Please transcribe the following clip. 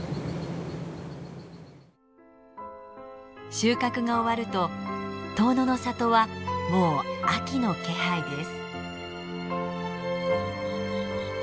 収穫が終わると遠野の里はもう秋の気配です。